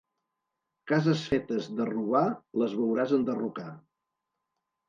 Cases fetes de robar les veuràs enderrocar.